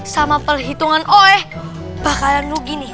sama perhitungan oe bakalan rugi nih